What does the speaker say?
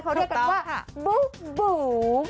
เขาเรียกกันว่าบุ๋บุ๋ค่ะ